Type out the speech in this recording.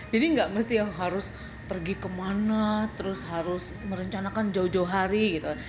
nggak mesti harus pergi kemana terus harus merencanakan jauh jauh hari gitu